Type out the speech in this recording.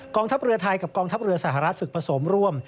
ทัพเรือไทยกับกองทัพเรือสหรัฐฝึกผสมร่วม